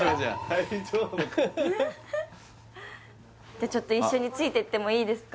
じゃあちょっと一緒についてってもいいですか？